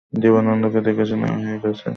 দেবানন্দকে দেখেছি না, হয়ে গেছে।